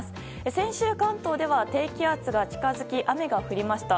先週、関東では低気圧が近づき雨が降りました。